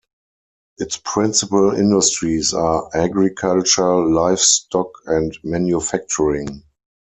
Its principal industries are agriculture, livestock, and manufacturing.